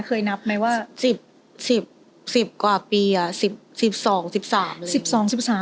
เคยนับไหมว่า๑๐กว่าปีอะ๑๒๑๓